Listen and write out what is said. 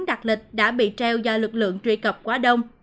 đạt lịch đã bị treo do lực lượng truy cập quá đông